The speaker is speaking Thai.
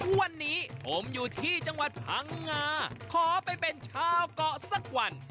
วันนี้ผมอยู่ที่จังหวัดพังงาขอไปเป็นชาวเกาะสักวัน